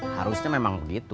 harusnya memang begitu